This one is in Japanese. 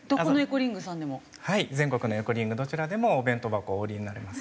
全国のエコリングどちらでもお弁当箱をお売りになれます。